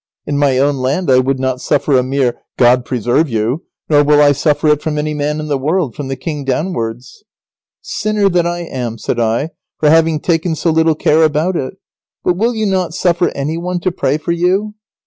In my own land I would not suffer a mere 'God preserve you,' nor will I suffer it from any man in the world, from the king downwards." "Sinner that I am," said I, "for having taken so little care about it. But will you not suffer any one to pray for you?"